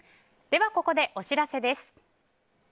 では、ここでお知らせです。